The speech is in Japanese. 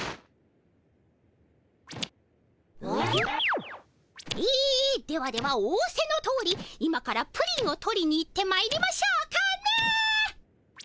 ん？えではではおおせのとおり今からプリンを取りに行ってまいりましょうかねえ。